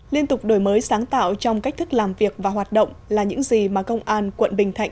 liên tục đổi mới sáng tạo trong cách thức làm việc và hoạt động là những gì mà công an quận bình thạnh